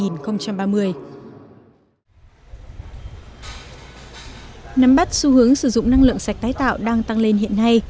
nắm bắt xu hướng sử dụng năng lượng sạch tái tạo đang tăng lên hiện nay